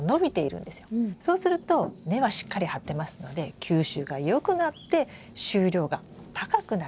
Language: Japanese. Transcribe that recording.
そうすると根はしっかり張ってますので吸収がよくなって収量が高くなる。